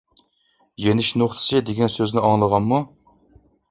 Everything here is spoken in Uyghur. "يېنىش نۇقتىسى" دېگەن سۆزنى ئاڭلىغانمۇ؟